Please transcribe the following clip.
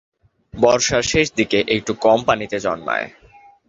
বর্ষার শেষদিকে একটু কম পানিতে জন্মায়।